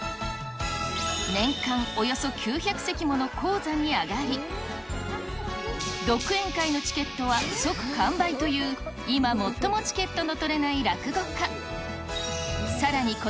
年間およそ９００席もの高座に上がり、独演会のチケットは即完売という、今、最もチケットの取れない落語家。